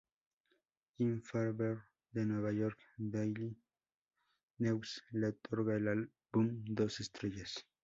Jim Farber, del New York Daily News, le otorgó al álbum dos estrellas.